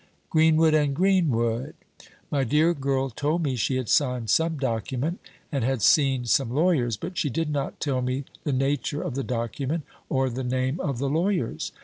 "Greenwood and Greenwood? My dear girl told me she had signed some document, and had seen some lawyers; but she did not tell me the nature of the document, or the name of the lawyers.